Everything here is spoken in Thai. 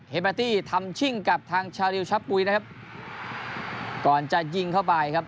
เบอร์ตี้ทำชิ่งกับทางชาริวชะปุ๋ยนะครับก่อนจะยิงเข้าไปครับ